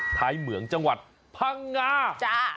ท้ายเหมืองจังหวัดภังงา